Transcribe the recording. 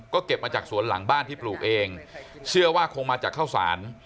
ก็เก็บมาจากสวนหลังบ้านที่ปลูกเองเชื่อว่าคงมาจากข้าวสาร